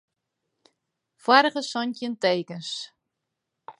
Foarige santjin tekens.